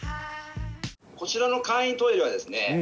こちらの簡易トイレはですね